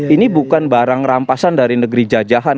ini bukan barang rampasan dari negeri jajahan